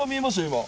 今。